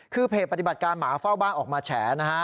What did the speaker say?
คือเพจปฏิบัติการหมาเฝ้าบ้านออกมาแฉนะฮะ